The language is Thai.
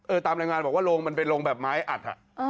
ตามรายงานบอกว่าโรงมันเป็นโรงแบบไม้อัดอ่ะ